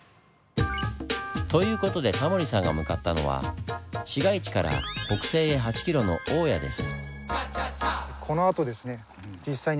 という事でタモリさんが向かったのは市街地から北西へ８ｋｍの大谷です。